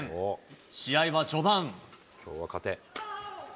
試合は序盤。